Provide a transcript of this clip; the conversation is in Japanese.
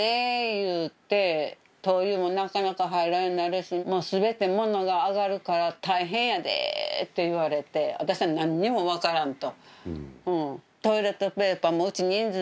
言うて「灯油もなかなか入らんようになるし全て物が上がるから大変やで」って言われて私は何にも分からんと。